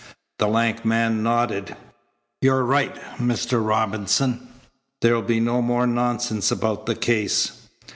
The lank man nodded. "You're right, Mr. Robinson. There'll be no more nonsense about the case.